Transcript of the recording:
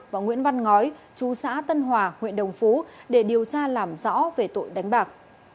và nguyễn văn ngói chú xã tân hòa huyện đồng phú để điều tra làm rõ về tội đánh bạc